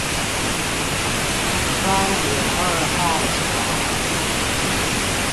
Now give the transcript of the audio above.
枋野二號橋